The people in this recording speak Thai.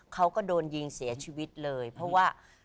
เขาก็โดนยิงเสียชีวิตเลยเพราะว่า